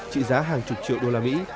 trị giá hàng chục triệu đô la mỹ